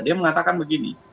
dia mengatakan begini